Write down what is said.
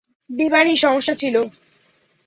বিমানেই সমস্যা ছিল।